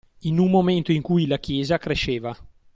In un momento in cui la Chiesa cresceva